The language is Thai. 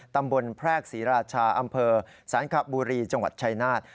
แพรกศรีราชาอำเภอสังขบุรีจังหวัดชายนาฏ